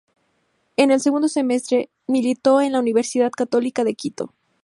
En el segundo semestre militó en la Universidad Católica de Quito.